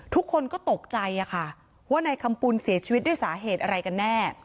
ทุกคนก็ตกใจค่ะว่านายคำปุ่นเสียชีวิตด้วยสาเหตุอะไรกันแน่